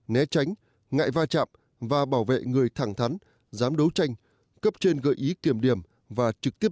né tránh ngại va chạm và bảo vệ người thẳng thắn dám đấu tranh cấp trên gợi ý kiểm điểm và trực tiếp